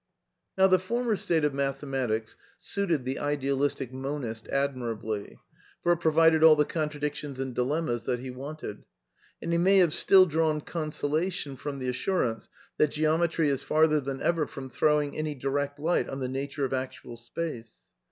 {JL}M. pp. 372 376.) Now the former state of mathematics suited the idealistic monist admirably, for it provided all the contradictions and dilemmas that he wanted. And he may have still drawn consolation from the assurance that Geometry is farther than ever from throwing " any direct light on the nature of actual space."